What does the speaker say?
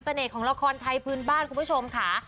ของละครไทยพื้นบ้านคุณผู้ชมค่ะ